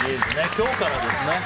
今日からですね。